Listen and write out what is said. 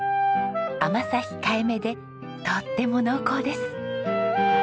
甘さ控えめでとっても濃厚です。